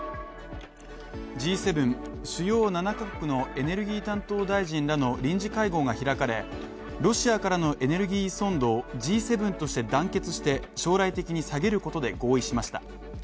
Ｇ７＝主要７か国のエネルギー担当大臣らの臨時会合が開かれロシアからのエネルギー依存度をＧ７として団結して将来的に下げることで合意しました。